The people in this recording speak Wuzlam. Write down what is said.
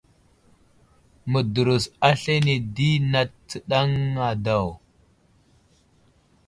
Mədərəs aslane di nat tsənaŋ a daw.